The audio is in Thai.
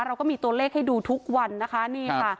เราก็มีตัวเลขให้ดูทุกวันนะคะนี่ค่ะ